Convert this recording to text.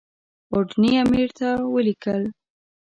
اوډني امیر ته ولیکل.